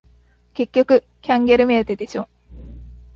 結局キャンギャル目当てでしょ